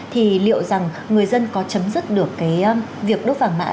thì liệu rằng người dân có chấm dứt được cái việc đốt vàng mã